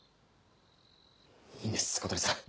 いいんです小鳥さん。